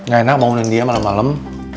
gak enak bangunin dia malem malem